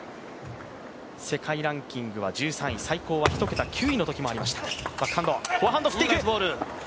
世界ランキングは１３位、最高は１桁、９位のときがありました。